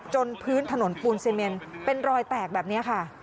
พื้นถนนปูนซีเมนเป็นรอยแตกแบบนี้ค่ะ